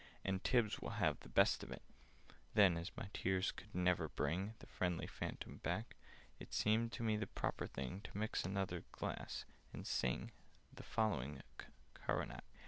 [Picture: And Tibbs will have the best of it] Then, as my tears could never bring The friendly Phantom back, It seemed to me the proper thing To mix another glass, and sing The following Coronach.